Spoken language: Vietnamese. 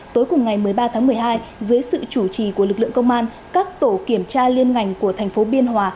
tối cùng ngày một mươi ba tháng một mươi hai dưới sự chủ trì của lực lượng công an các tổ kiểm tra liên ngành của thành phố biên hòa